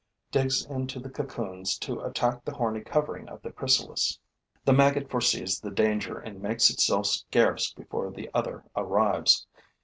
digs into the cocoons to attack the horny covering of the chrysalis. The maggot foresees the danger and makes itself scarce before the other arrives.